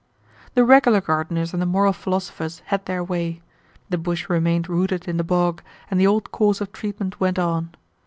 "The regular gardeners and the moral philosophers had their way. The bush remained rooted in the bog, and the old course of treatment went on.